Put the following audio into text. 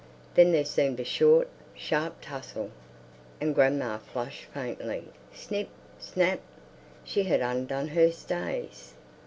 Then there seemed a short, sharp tussle, and grandma flushed faintly. Snip! Snap! She had undone her stays.